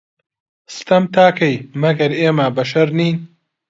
ستەم تا کەی، مەگەر ئێمە بەشەر نین